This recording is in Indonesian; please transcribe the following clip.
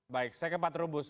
baik saya ke pak trubus